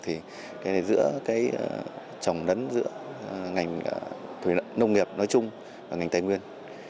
thì giữa trồng đấn giữa ngành nông nghiệp nói chung và ngành tài nguyên